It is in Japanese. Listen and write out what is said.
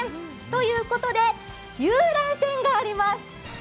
ということで遊覧船があります。